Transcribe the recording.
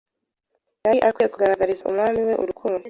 yari akwiriye kugaragariza Umwami we urukundo